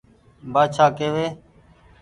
بآڇآ ڪيوي